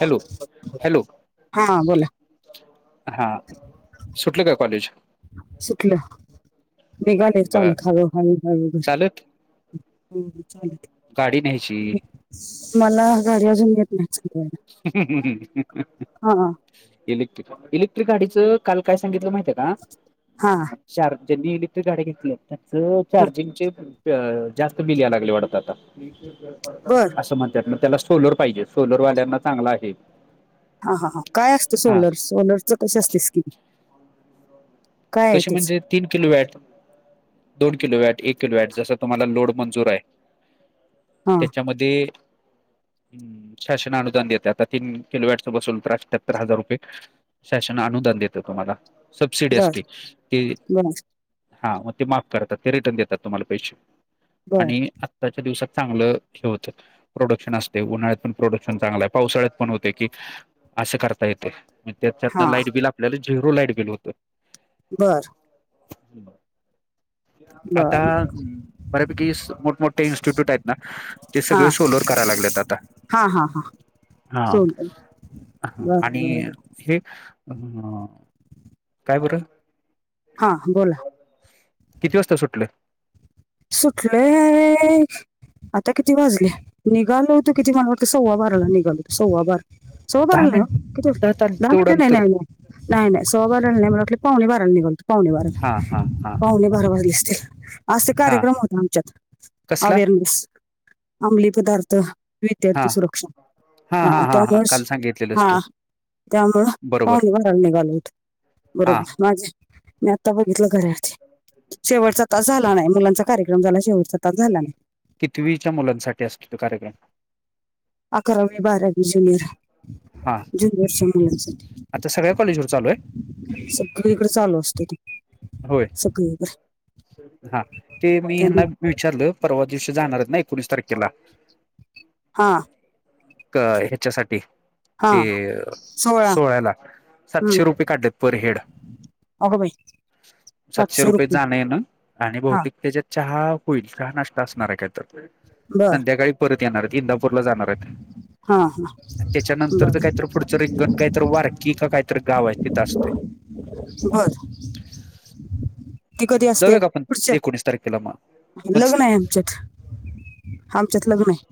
Hello hello हा बोला हा सुटलं काय कॉलेज? सुकलं निघाले बर चाल खवं हळ हळ घर चालत हो चालेल गाडी न्यायची मला गाडी अजून घेत नाही चालवायला हा इ इलेक्ट्रिक गाडीच काल काय सांगितलं माहित हा [unintelligible] चार्जनी त गाड्या घेतल्या त्याच हा चार्जिंगचे [inaudible] जास्त बिल या लागले वाटत आता बर अस म्हणत त्याला सोलर पाहिजे सोलरवाल्या चांगला आहे हा हा हा काय असतं हा सोलर सोलरच कस असते स्कीिम कशी म्हणजे तीन किलो वेळ दोन किलो वॅट एक किलो वॅट जसं तुम्हाला लो मंजर आहे. हा त्याच्यामध्ये हम शासना अनुदान देते आता तीन किलोवॅटचं बसूनल तर अठ्याहत्तर हजार रुपये. सेशन अनुदान देतो तुम्हाला? सबसिडी बर असते ते बर हा मग ते माफ करतात ते रिटर्न देतात तुम्हाला पैसे बर आणि आत्ताच्या दिवसात चांगलं हे होतं प्रोडक्शन असते उन्हाळ्यात पण प्रोडक्शन चांगलं आहे पावसाळ्यात पण होते की असे करता येते त्याच्यातन हा लाईट बिल आपल्याला झिरो लाईट बिल होतं. बरं. बरं. आता बर बऱ्यापैकी मोठमोठे इन्स्टिट्यूट आहेत ना. ते हा सगळे सोलोर करायला लागलेत आता हा हा हा हा सोलर ह बर आणि बर हे काय बरं. हा बोला. किती वाजता सुटले. सुटलं आहे आता किती वाजले. निघाल हो तू किती मला वाटं सव्वा बारा निघालो सव्वा बार. सव्वाबारा दहा ला नाही हो किथ मिनिटात आलं दहा तेवढं मिनटं नाही अंतर नाही. नाही नाही नाही सव्वाबारा नाही मलावाटले पावणी बारा निघोलतो. पावणे बारा हा हा हा पावणे बारा वाजले असतील अस. हा कार्यक्रम होता आमच्यात कसला अवेअरनेस अंमली पदार्थ हा विद्यार्थी सुरक्षा हा त्यामुळेच हा त्यामुंल बरोबर पाहून भराला निघाल होत. हा बरोबर माझे मी आता बघितलं घरा शेवटचा तास झाला नाही मुलांचा कार्य्रम झाला शेवट सच झाला नाही. कितवीच्या मुलांसाठी असतो तो कार्यक्रम अकरावी बारावी जुनेर हां. जुनियर [inaudible] चालू आहे मुलांसाठी सगळीकड चालू असतो तो होय हा ते मी त्यामुळे हना. मी विचारलं परवा दिवशी जाणार आहेत ना एकोणीस तारखेला हा. ह्याच्यासाठी हा ते सोळा सोळा्याला सातशे रुपये काढलेत पर हेड अग बाई. सातशे रुपये जाण येन. आणि हा बहुतेक त्याच्यात चहा होईल चहा नाष्ट असणार आहे कायतर बर संध्याकाळी परत येणार आहेत, इंदाूर ला जाणार आहेत. हा हा. त्याच्यानंतरच बर काहीत पुढचं रिंगण, काहीत वारकी का काहीतरी गाव आहे, तिथ असते. बर. ती कधी जाऊया असते का आपण, पुढच्या एकोणीस तारखेला मग. मग लग्न आहे आमच्यात आमच्यात लग्न आहे.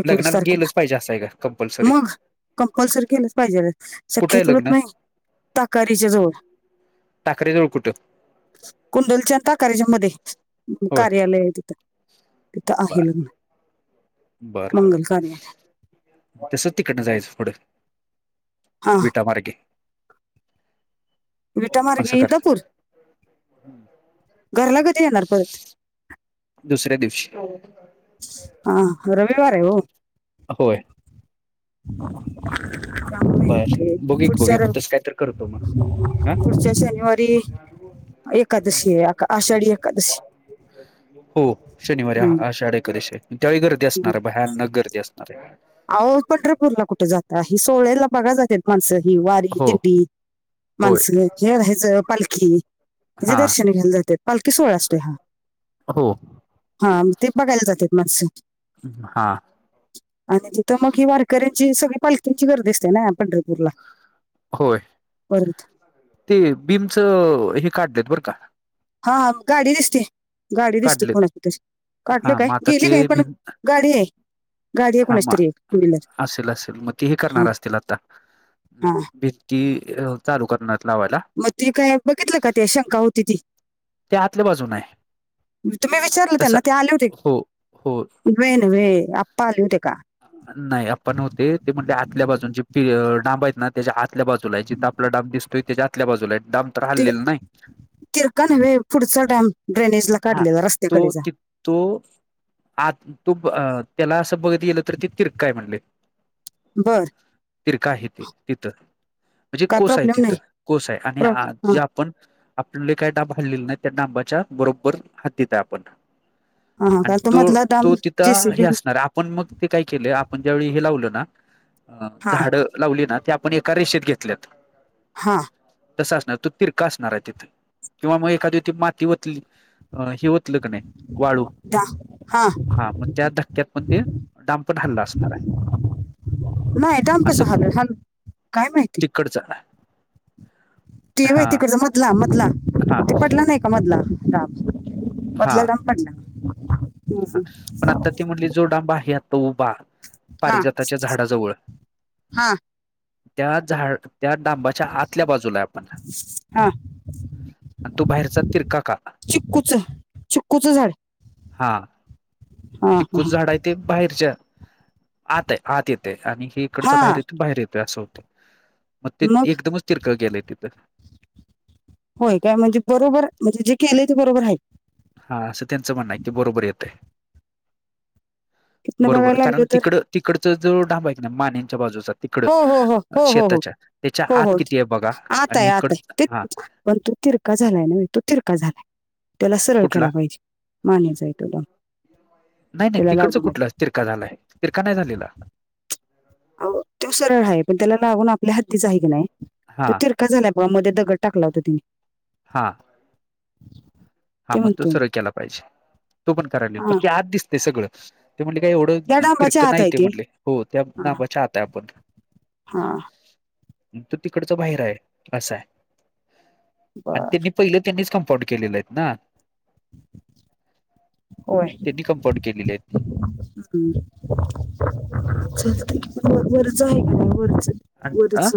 एकोणीस लग्नाला तारखेला गेलच पाहिजे, असंय का कंपल्सरी. मग कंपल्सरी केलंच पाहिजे, कुठं आहे शक्यचलत लग्न नाही, ताकारारीच्या जवळ. टाकरे जवळ कुठं? कुंडलच्या आणि ताकारेच्या मध्ये होय कार्यालय आहे. तिथं आहे बर लग्न. बर मंगल कार्यालय तसचं तिकडनं जायचं पुढं हा विटा मार्गे विटा असं मार्गी कर इंदापूर घरला कधी येणार परत दुसऱ्या दिवशी. हो [unintelligible] हा रविवार आहे येव. अ होय. [unintelligible] [unintelligible] [unintelligible] बर बघू की पुढच्या बघूया मग रव तसं काय तर करतो मग हा पुढच्या शनिवारी एकादशी ये आषाढी एकादशी. हो शनिवारी हम्म, आषाढ एकादशी ये त्यावेळी गर्दी असणार आहे, भयानक गर्दी असणार आहे. आहो पंढरपूरला कुठ जाता ही सोहळयाला बघा जातात माणसं ही वारी हो दिंडी. होय माणस हे रायचं पालखी ह्याज हां दर्शन घ्यायला जात्यात. पालकी सोहळा असतोय हा. हो. हा म ते बघायला जात्यात माणसं. हूं हूं हा. आणि तिथं मग ही वारकऱ्यांची सगळी पालकीची गर्दी असते ना पंढरपूरला. होय वर्धेत ते बीमच हे काढलेत बरं का. हा गाडी दिसते गाडी दिसते, काढलेत कोणाची तरी काढलं हा काय मग आता गेली ते काय पण भिन गाडी आहे. गाडी आहे हा कोणाची म तरी टू व्हीलर असेल असेल, मग ते हे हा करणार असतील आता हं हा भिती चालू करणार येत लावायला. म ती काय बघितलं का ती शंका होती ती. ते आतल्या बाजून हाय. म तुम्ही विचारलं त्यांना ते आले होते, हो हो वे न व आप्पा आले होते का? नाय आप्पा नव्हते ते म्हटले आतल्या बाजूनचे फि डांब हाईत ना त्याच्या आतल्या बाजूला आहे, जिथं आपला डाम दिसतोय त्याच्या आतल्या बाजूला हाईत डाम. ते तिरका नव्हे पुढचा डॅम ड्रेनीजला हा काढलय तो रस्त्याकडेचा. ति तो आत तो ब अ त्याला असं बघत गेल- तर ते तिरका हाय म्हणले. बरं. तिरका आहे ते तिथं म्हणजे काय कोस आहे, प्रॉब्लेम तिथं नाही कोस आहे प्र- आणि हा, हा, जे आप पण आपले काही डाब हालेले नाही, त्या डांबाच्या बरोबर हाद्दीत आहे आपण. हा. आणि काय तो मधला डॅम तो तिथं जेसीबी हे असणार आप पण मग ते काय केलं, आपण ज्यावेळी हे लावलं ना हा झाड लावली ना ते आपण एका रेषेत घेतल्यात. हा. तस असणार तो तिरका असणार आहे, तिथ किंवा मग एखादी ती माती वतली ही वत तल की नाय वाळू डा हा मग त्या धक्क्यात पण ते डांपण हल्ला असणार आहे नाय डाम कस हलल हल काय माहिती कट झाला. ते व्हय तिकडला मधला मधला हा ते पडला नाय का मधला हा मधला डांब पडला. हम्म, हा हम्म. पण आता ती म्हणली जो डांब आहे आता उभा हा पारिजाताच्या झाडाजवळ हा त्या झाड त्या डांबाच्या आतल्या बाजूला हाय आपण. हा आणि तो बाहेरचा तिरका का चिक्कूच चिक्कूच झाड हां. हा हा, चिककूच हा झाड आहे, ते बाहेरच्या आत आहे, आत येते आणि हे. इकड हा बाहेर येतून बाहेर येत असं होतं, मग ते एकदमच तिरकळ गेलेय तिथं. होय काय म्हणजे बरोबर म्हणजे जे केलेय ते बरोबर हाय. हा असं त्यांचं म्हणणं आहे की बरोबर येतंय. तिथनं बरोबर बघायला लागलो कारण तर तिकड तिकडचं जो डांब हाय की नाय मानेंच्या बाजूचा तिकड हो, हो, हो, हो, हो, हो, शेताच्या त्याच्या हो, आत हो. किती आहे बघा आत आणि आहे, आत इकड आहे. ते हा पण तू तिरका झालाय न तू िरका झालाय त्याला सरळ कुठला केला पाहिजे मानचय तोला नाही नाही तिकडच कुठलं तिरका झालाय तिरका नाही झालेला त सरळ आहे पण त्याला लावून आपल्या हातीच आहे की नाही हा ति झालाय प मध्ये दगड टाकला होतां तिने हां हा ते मग तो म्हणतोय मी. सर्ळ केला पाहिजे तो पण करायला ला पण हां, ते आज दिसते सगळं ते म्हणले काही एवढं त्या किरक डांबाच्या आत नाही आहे ते म्हणले हो त्या नावाच्या आता आपण हा तो तिकडच बाहेर आहे असा आहे आणि बरं. त्यांनी पहिले त्यांनीच कंपाउंड केलेले आहेत ना होय. त्यांनी कमफर्ट केलेले आहेत ह लते की आहेत पण वरच आहे की नाही वरच आणि अ बरच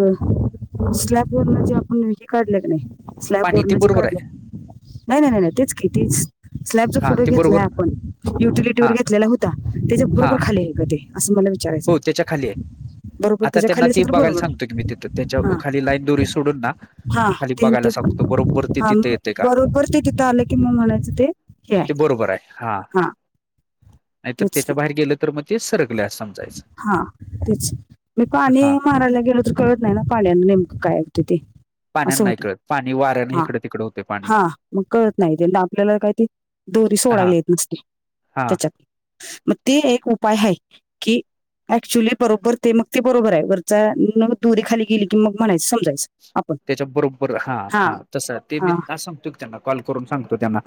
स्लॅब वर जे आपण नेमकी काढले क नाही स्लॅब पाणी ते वण ज बरोबर आहे काढलं नाही नाही नाही नाही तेच कि तीच स्लॅबच हा फोटो ते घेतलाय बरोबर आपण युटिलिटी वर हा घेतलेला होता त्याच्या हा बरोबर खाली आहे का ते असं मला विचारायचं हो आहे त्याच्या खाली आहे बरोबर आता त्याच्या त्यांना खाली तेी असेल तर बघायला बरोबर आहे सांगतोय की मी तिथं त्याच्या हा खाली लाईन दुरी सोडून ना हा खाली ते ते बघायला सांगतो बरोबर ते हा तिथे येते का बरोबर ते तिथे आले की मग म्हणायचं ते हे ते आहे बरोबर आहे हा नाहीर तेच की त्याच्या बाहेर गेलं तर मग ते सरकले असं समजायचं हा तेच मी पाणी हा मारायला गेलोत कळत नाही ना पाण्यान नेमकं काय होते ते पाण्यान असं नाही होत कळत पाणी वाऱ्याने हा इकडं तिकडं होते पाणी हा मग कळत नाही त्यां आपल्याला काय ते दोरी सोडायला येत नसते हां त्याच्यात मग ते एक उपाय ह कि ऍक्च्युली बरोबर ते मग ते बरोबर आहे वरचाग दुरे खाली गेली की मग म्हणायचं समजायचं आपण त्याच्या बरोबर हा हा तस ते मी हा सांगतो त्यांना कॉल करून सांगतो त्यांना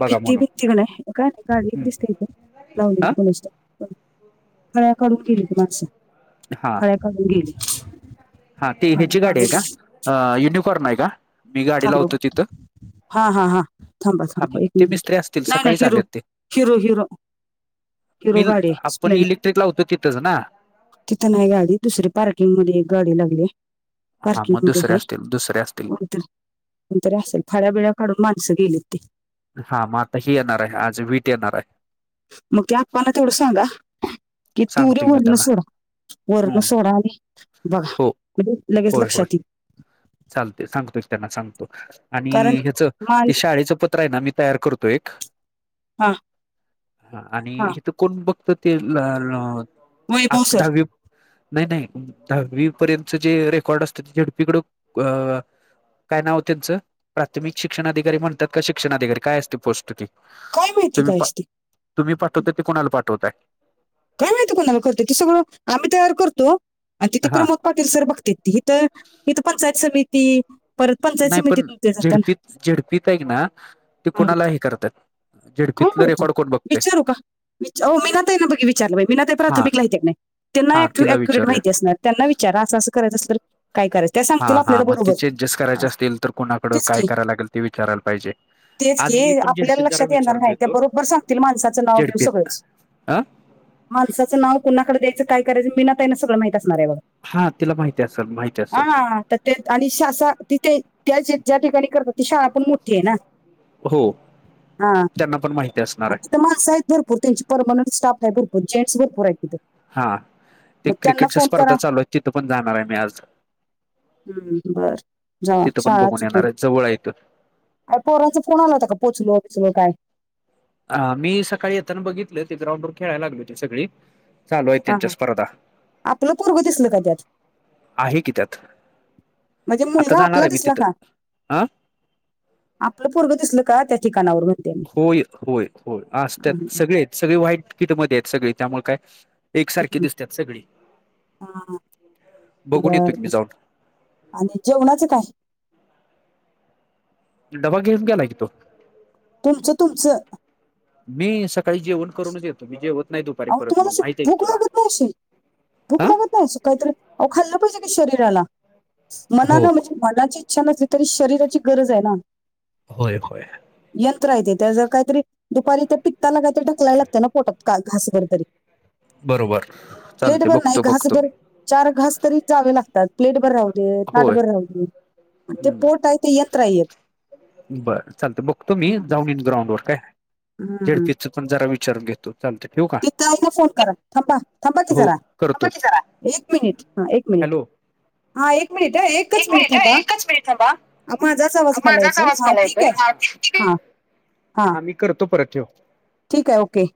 बघा म्हणून चिक आहे काय नाही काढ एक हम्म. दिसतेथे हा लावलेली ग फळ्या काून गेली तुमस हा फळ्या काून गेली हा ती फळ्या ह्याची गाडी काढून आहे का गेली. युनिफॉर्म आहे का मी गाडी थांबा बघू. लावतो तिथं हा हा हा थांब हा थांब मग एक ते मिनिट मिस्त्री असतील नाही सकाळीच नाही हिरो आलेत ते हिरो हिरो हिरो बिल गाडी आहे आपण स्प्लेंड इलेक्ट्रिक लावतो तिथंच ना तिथं नाही गाडी दुसरी पार्किंग मध्ये एक गाडी लागली हा पारक मग मोते ह दुसरे असतील दुसरे असतील होत [inaudible] काय तरी असेल खऱ्याबिळा काढून माणसं गेलीत ते हा म आता ही येणार आहे आज वीट येणार आहे मग त्या आप्पांना तेवढं सांगा की तुरे सांगतो मी वरण त्यांना सोडा वरण हम्म सोडा आणि बघा हो म्हणजे लगेच होय लक्षात होय येई चालते सांगतो एक त्यांना सांगतो आणि कारण ह्याचं माल ते शाळेचं पत्र आहे ना मी तयार करतो एक हा ह आणि हा इथ कोण बघत ते वैभव सर दहावी नाही नाही दहावी पर्यंत जे रेकॉर्ड असतं ते झडपकड अ काय नाव त्यांचं प्राथमिक शिक्षणा अधिकारी म्हणतात का शिक्षणाधिकारी काय असते पोस्ट काय मिळती तुम्ही पा कायस ती तुम्ही पाठवते ते कोणाला पाठवताय काय माहिती कोणाला करते ते सगळं आम्ही तयार करतो आणि तिथे हा प्रमोद पाटील सर बघते तीिथं इिथ पंचायत समिती परत पंचायत नाही पण समितीतून ते जाताना झेडपीत झेडपीत आहे ना ते कोणाला हे करतात. काय झेडपीतलं माहिती रेकॉर्ड कोण बघते विचारू का? वि मीना ताईना विचारू बघकी वय? मीना ताई हा प्राथमिक ला आहेत की नाय हा त्यांना तिला अक्युरेट विचारूया माहिित आहे. त्यांना विचारा असं असं करायचं अस तर काय करायचं? त्या हा सांगतील हा आपल्याला मग बरोबर त्या चेजजस्ट हा, करायचे असतील तर कुणाकड तेच काय की करायला लागेल ते विचारयला पाहिजे. तेच आज की मी पण आपल्याला झेडपीत जरा लक्षात येणार विचारून नाही त्या घेतो बरोबर सांगतील माणसाचं नाव बिव झेडपीत सगळंच ह. माणसाचं नाव कोुणाकडे द्यायं काय करायचं मीना ताईना सगळं माहीत असणार आहे बघा. हा तिला माहिती असेल माहिती असेल. हा तर ते आणि श तिथे त्या ज्या ठिकाणी करतात ती शाळा पण मोठी आहे ना. हो हा त्यांना पण माहिती असणार अस आहे तर मानस आहेत. भरपूर त्यांची पर्मनंट स्टाफ आहे भरपूर जेन्ट्स हा ते क्रिकेटच्या फोन करा स्पर्धा चालू आहे तिथं पण जाणार आहे मी आज हम्म बर जाव तिथं पण शाळा बघून येणार चकून आहे जवळ आहे आणि पोराचं कोणाला जागी पोचलो असलो काय? अ मी सकाळी येताना बघितले ते ग्राउंड वर खेळायला लागलो होती सगळी चालू आहेत हा त्यांच्या ह स्पर्धा आपलं पूर्व दिसलं का त्यात आहे की त्यात म्हणजे आता मुलगा जाणार आपला आहे मी दिसला का तिथं अ आपलं परगं दिसलं का त्या ठिकाणावर म्हणते मी होय होय होय हं, असतत हं. सगळे आहेत सगळे वाईट किटमध्ये आहेत सगळे त्यामुळे काय? एकसारखी दिसतात सगळी हं, हं. बघून येतो बर एक मी बर. जाऊन आणि जेवणाच काय? डबा घेऊन ग्यालाग तो तुमचं तुमचं? मी सकाळी जेवण करूनच येतो मी जेवण अ तुम्हाला अशी भूक लागत नाहीशी भूक हा लागत नाही काहीतरी अ खाल्लं पाहिजे की शरीराला मनान हो म्हणजे मनाची छान असली तरी शरीराची गरज आहे ना. होय हो. यंत्र येते त्या जर काहीतरी दुपारी ते पिकताला काय ते ढकलायला लागते ना पोट घास. बरोबरी. बरोबर. चालते प्लेटभर नाही बघतो बघतो घासभर मी चार घास तरी जावे लागतात प्लेटभर राहूदे राहवते ताटभर होय राहूदे राहते. ते पोट आय ते यात्र आहे एक. बरं चालत बघतो मी जाऊनन ग्राउंड वर काय हम्म. झडपीच पण जरा विचारून घेतो. चालत ठेऊ का? ला फोन करा थांबा थांबाची हो करा करतो एक मिनिट हा एक मिनिट. हॅलो हा एक मिनिट आहे एक एकच मिनिट हांबा एकच मिनिट थांबा माझाच आवाज मला माझाच येतोय आवाज हां मला ठीक येतोय आहे हां. हा. हा मी करतो परत ठेव. ठीके, ओके.